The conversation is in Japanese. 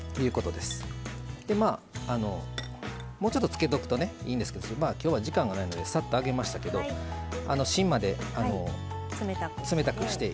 でまあもうちょっとつけとくとねいいんですけどきょうは時間がないのでさっとあげましたけど芯まで冷たくして頂いたらいいと思います。